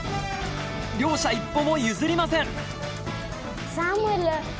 両者一歩も譲りません。